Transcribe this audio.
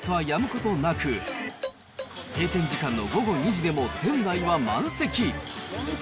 ことなく、閉店時間の午後２時でも、店内は満席。